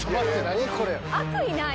悪意ない？